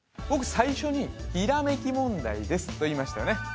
僕最初に「ひらめき問題です」と言いましたよね